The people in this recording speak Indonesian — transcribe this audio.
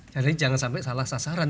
jadi jangan sampai salah sasaran